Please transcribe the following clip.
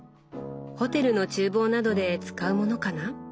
ホテルの厨房などで使うものかな？